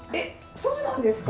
そうなんですか？